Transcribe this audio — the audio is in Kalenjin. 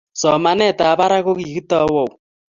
Somanetab barak kogigitau au?